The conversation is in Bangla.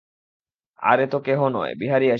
আর তো কেহ নয়, বিহারী আসিতেছে।